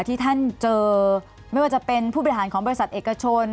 ที่ท่านเจอไม่ว่าจะเป็นผู้บริหารของบริษัทเอกชน